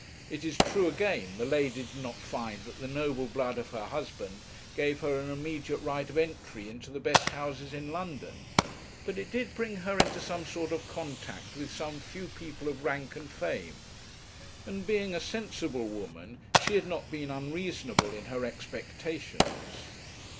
It is true, again, the lady did not find that the noble blood of her husband gave her an immediate right of entry into the best houses in London; but it did bring her into some sort of contact with some few people of rank and fame; and being a sensible woman, she had not been unreasonable in her expectations.